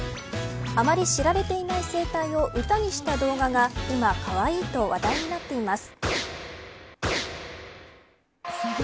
あまり知られていない生態を歌にした動画が今、かわいいと話題になっています。